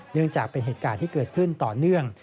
เนื่องจากเป็นเหตุการณ์ที่เกิดขึ้นต่อเนื่อง